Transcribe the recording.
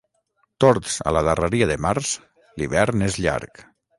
Tords a la darreria de març, l'hivern és llarg.